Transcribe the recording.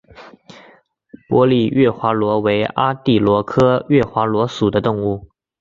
玻璃月华螺为阿地螺科月华螺属的动物。